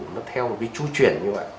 nó theo một cái tru chuyển như vậy